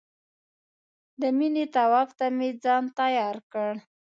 د مینې طواف ته مې ځان تیار کړ.